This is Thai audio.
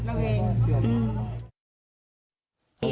ใครมีลูกมีหลานก็จะหวัดเราเอง